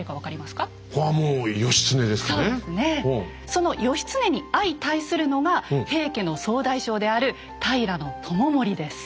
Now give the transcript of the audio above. その義経に相対するのが平家の総大将である平知盛です。